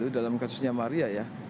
dalam kasusnya maria ya